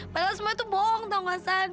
padahal semua itu bohong tau gak san